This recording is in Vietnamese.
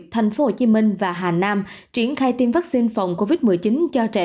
thành phố hồ chí minh và hà nam triển khai tiêm vaccine phòng covid một mươi chín cho trẻ